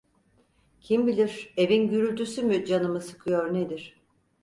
Kim bilir, evin gürültüsü mü canımı sıkıyor nedir!